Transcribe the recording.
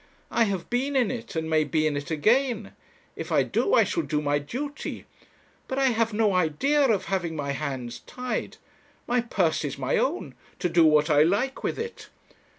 I have been in it, and may be in it again. If I do, I shall do my duty. But I have no idea of having my hands tied. My purse is my own, to do what I like with it.